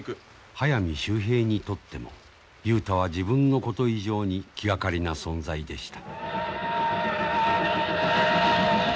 速水秀平にとっても雄太は自分のこと以上に気がかりな存在でした。